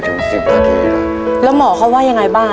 ทับผลไม้เยอะเห็นยายบ่นบอกว่าเป็นยังไงครับ